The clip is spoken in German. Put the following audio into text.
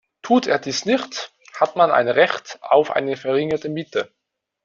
Tut er dies nicht, hat man ein Recht auf eine verringerte Miete.